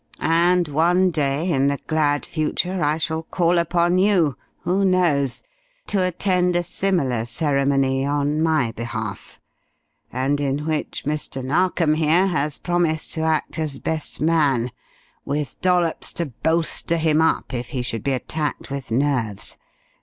And one day in the glad future I shall call upon you who knows? to attend a similar ceremony on my behalf, and in which Mr. Narkom here has promised to act as best man with Dollops to bolster him up if he should be attacked with nerves.